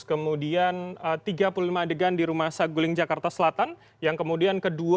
kemudian tiga puluh lima adegan di rumah saguling jakarta selatan yang kemudian kedua